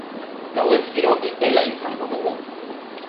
Gauez giro epela izango dugu.